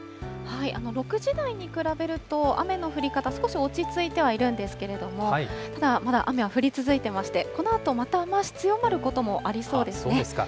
６時台に比べると雨の降り方、少し落ち着いてはいるんですけれども、ただ、まだ雨は降り続いていまして、このあとまた雨足強まることもありそうですね。